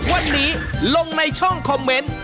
วันนี้ลงในช่องคอมเมนต์